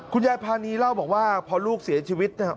พานีเล่าบอกว่าพอลูกเสียชีวิตนะครับ